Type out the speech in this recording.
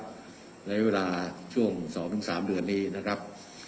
นะครับในเวลาช่วงสองถึงสามเดือนนี้นะครับ